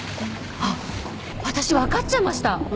あっ私わかっちゃいました。